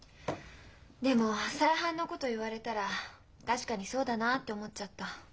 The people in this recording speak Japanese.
でも再犯のこと言われたら確かにそうだなって思っちゃった。